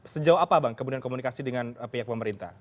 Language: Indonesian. sejauh apa bang kemudian komunikasi dengan pihak pemerintah